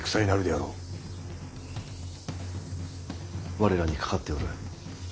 我らにかかっておる。